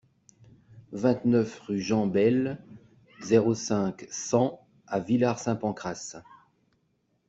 vingt-neuf rue Jean Bayle, zéro cinq, cent à Villar-Saint-Pancrace